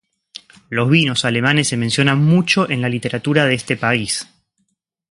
Los vinos alemanes se mencionan mucho en la literatura de este país.